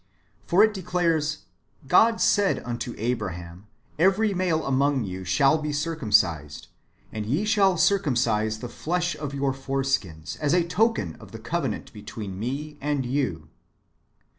For it declares :" God said unto Abraham, Every male among you shall be circumcised ; and ye shall circumcise the flesh of your foreskins, as a token of the covenant between me and you."